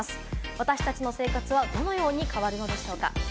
私たちの生活はどのように変わるのでしょうか？